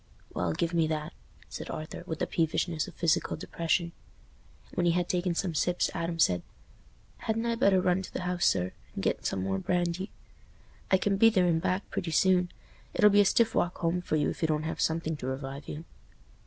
"Well, give me that," said Arthur, with the peevishness of physical depression. When he had taken some sips, Adam said, "Hadn't I better run to th' house, sir, and get some more brandy? I can be there and back pretty soon. It'll be a stiff walk home for you, if you don't have something to revive you."